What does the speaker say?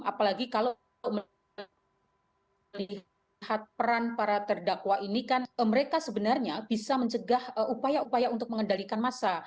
apalagi kalau melihat peran para terdakwa ini kan mereka sebenarnya bisa mencegah upaya upaya untuk mengendalikan massa